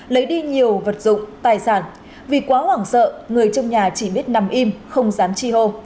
lấy đi nhiều vật dụng tài sản vì quá hoảng sợ người trong nhà chỉ biết nằm im không dám chi hô